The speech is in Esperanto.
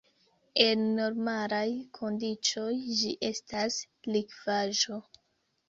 En normalaj kondiĉoj ĝi estas likvaĵo.